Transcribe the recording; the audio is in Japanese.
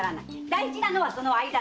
大事なのはその間だ。